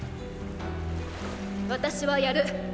私はやる。